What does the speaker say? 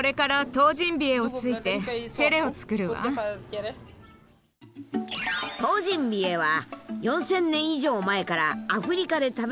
トウジンビエは４，０００年以上前からアフリカで食べられているという雑穀。